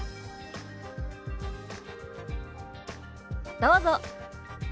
どうぞ。